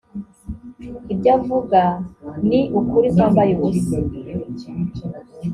ibyo avuga ni ukuri kwambaye ubusa